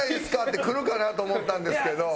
ってくるかなと思ったんですけど。